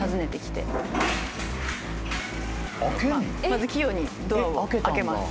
まず器用にドアを開けます。